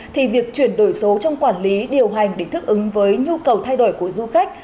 thì việc chuyển đổi số trong quản lý điều hành để thích ứng với nhu cầu thay đổi của du khách